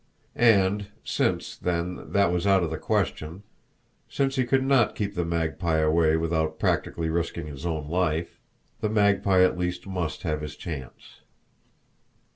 And, since, then, that was out of the question, since he could not keep the Magpie away without practically risking his own life, the Magpie at least must have his chance.